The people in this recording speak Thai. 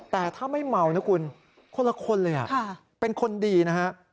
แต่ถ้าไม่เมานะคุณคนละคนเลยเป็นคนดีนะฮะ